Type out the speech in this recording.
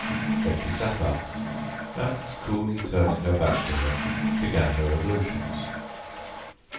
Then she sat up, and coolly turning her back to him, began her ablutions.